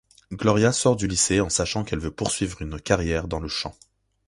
Gloria sort du lycée en sachant qu'elle veut poursuivre une carrière dans le chant.